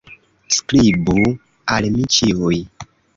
Skribu al mi ĉiuj!